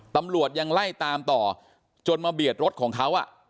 ตำรวจยังไล่ตามต่อจนมาเบียดรถของเขา